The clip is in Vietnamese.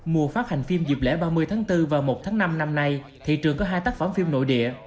mùa phát hành phim dịp lễ ba mươi tháng bốn và một tháng năm năm nay thị trường có hai tác phẩm phim nội địa